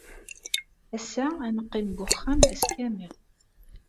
Ass-a, ad neqqim deg uxxam ass kamel.